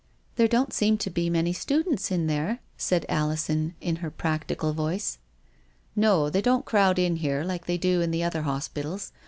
" There don't seem to be many students in there," said Alison, in her practical voice. " No, they don't crowd in here like they do in the other hospitals.